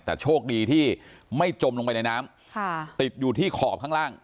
แต่โชคดีที่ไม่จมลงไปในน้ำติดอยู่ที่ขอบข้างล่าง